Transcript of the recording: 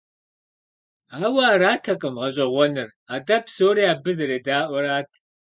Ауэ аратэкъым гъэщӀэгъуэныр, атӀэ псори абы зэредаӀуэрат.